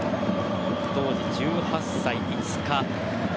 当時、１８歳５日。